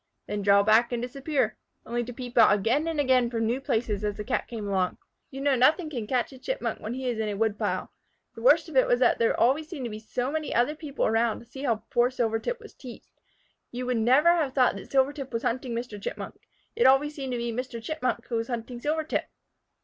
then draw back and disappear, only to peep out again and again from new places as the Cat came along. You know nothing can catch a Chipmunk when he is in a woodpile. The worst of it was that there always seemed to be so many other people around to see how poor Silvertip was teased. You would never have thought that Silvertip was hunting Mr. Chipmunk. It always seemed to be Mr. Chipmunk who was hunting Silvertip.